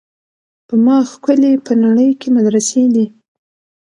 په ما ښکلي په نړۍ کي مدرسې دي